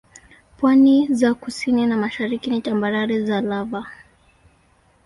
Pwani za kusini na mashariki ni tambarare za lava.